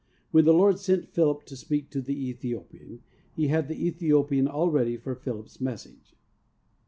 When the Lord sent Philip to speak to the Ethiopian, He had the Ethio pian all ready for Philip's message.